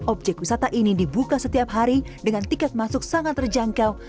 objek wisata ini dibuka setiap hari dengan tiket masuk sangat terjangkau